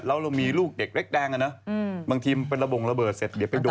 แล้วเรามีลูกเด็กเล็กแดงอะนะบางทีเป็นระบงระเบิดเสร็จเดี๋ยวไปโดน